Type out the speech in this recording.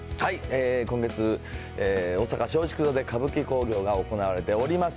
今月、大阪松竹座で歌舞伎興行が行われております。